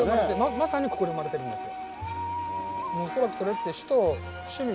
まさにここで生まれてるんですよ。